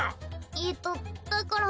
えっとだから。